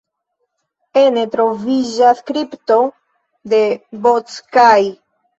Ene troviĝas kripto de Bocskai.